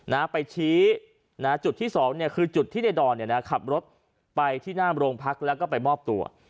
นะไปชี้นะจุดที่สองเนี่ยคือจุดที่ในดอนเนี่ยนะขับรถไปที่หน้าโรงพักแล้วก็ไปมอบตัว